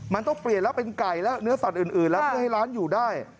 มันต้องเปลี่ยนแล้วเป็นไก่และเนื้อสัตว์อื่นแล้วเพื่อให้ร้านอยู่ได้